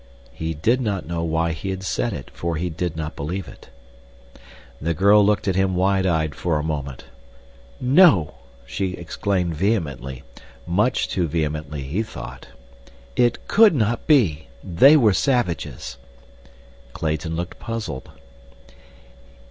He did not know why he had said it, for he did not believe it. The girl looked at him wide eyed for a moment. "No!" she exclaimed vehemently, much too vehemently he thought. "It could not be. They were savages." Clayton looked puzzled.